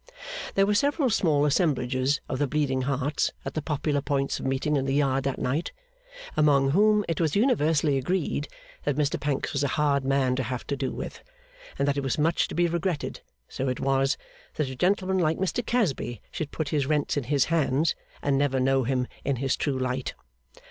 There were several small assemblages of the Bleeding Hearts at the popular points of meeting in the Yard that night, among whom it was universally agreed that Mr Pancks was a hard man to have to do with; and that it was much to be regretted, so it was, that a gentleman like Mr Casby should put his rents in his hands, and never know him in his true light.